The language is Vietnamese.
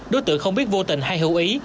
đối tượng không biết vô tình hay hữu ý